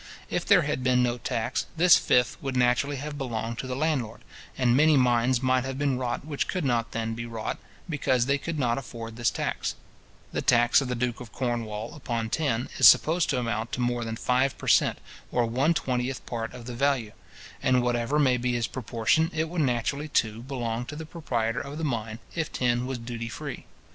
If there had been no tax, this fifth would naturally have belonged to the landlord, and many mines might have been wrought which could not then be wrought, because they could not afford this tax. The tax of the duke of Cornwall upon tin is supposed to amount to more than five per cent. or one twentieth part of the value; and whatever may be his proportion, it would naturally, too, belong to the proprietor of the mine, if tin was duty free.